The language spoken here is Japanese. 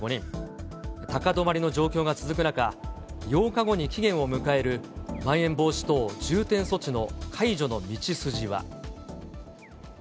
高止まりの状況が続く中、８日後に期限を迎えるまん延防止等重点措置の解除の道筋は。